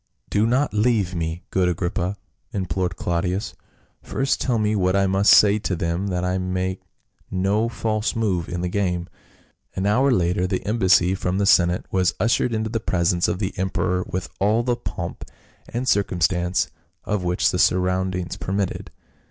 " Do not leave me, good Agrippa," implored Clau dius, " first tell me what I must say to them, that I make no false move in the game." An hour later the embassy from the senate was ushered into the presence of the emperor with all the pomp and circumstance of which the surroundings permitted.